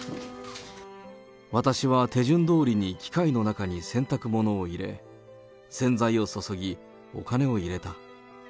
私は手順どおりに機械の中に洗濯物を入れ、洗剤を注ぎ、お金を入れた。